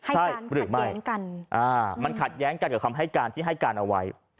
ใช่หรือไม่มันขัดแย้งกันกับคำให้การที่ให้การเอาไว้